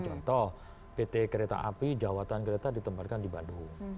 contoh pt kereta api jawatan kereta ditempatkan di bandung